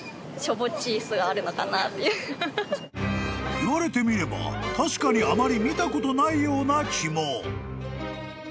［いわれてみれば確かにあまり見たことないような気も］